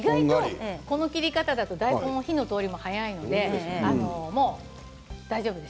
この切り方だと火の通り方が早いのでもう大丈夫です。